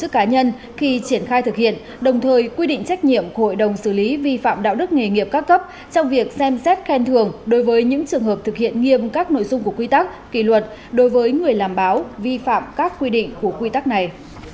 cá nhân khi triển khai thực hiện đồng thời quy định trách nhiệm của hội đồng xử lý vi phạm đạo đức nghề nghiệp các cấp trong việc xem xét khen thường đối với những trường hợp thực hiện nghiêm các nội dung của quy tắc kỳ luật đối với người làm báo vi phạm các quy định của quy tắc này